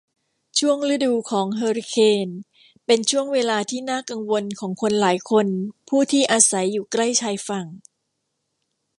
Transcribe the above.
ช่วงฤดูของเฮอริเคนเป็นช่วงเวลาที่น่ากังวลของคนหลายคนผู้ที่อาศัยอยู่ใกล้ชายฝั่ง